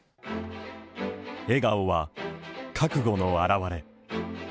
笑顔は、覚悟の表れ。